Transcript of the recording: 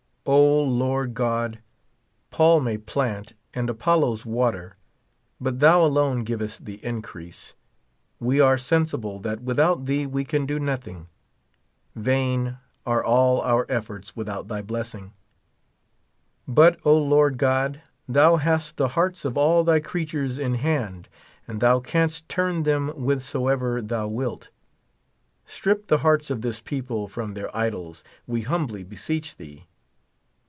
O, Lord God, Paul may plant, and Apollos water, but thou alone givest the increase. We are sensible that without thee we can do nothing. Vain are all our efforts without th}' blessing. But, Lord G^od, thou hast the hearts of all thy creatures in hand, and thou canst turn them withersoever thou wilt. Strip the hearts of this people from their idols, we humbly beseech thee.